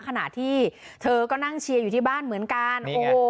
ขณะที่เธอก็นั่งเชียร์อยู่ที่บ้านเหมือนกันโอ้โห